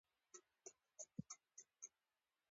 افغانستان اوسنی افغانستان نه و.